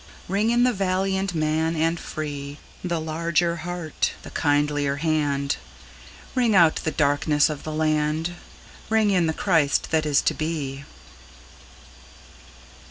Ring in the valiant man and free, The larger heart, the kindlier hand; Ring out the darkenss of the land, Ring in the Christ that is to be.